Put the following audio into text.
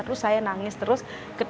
terus saya nangis terus